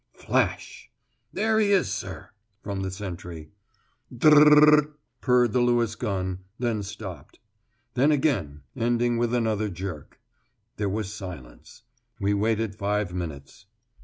"Flash!" "There he is, sir!" from the sentry. "Drrrrrr r r r" purred the Lewis gun, then stopped. Then again, ending with another jerk. There was a silence. We waited five minutes.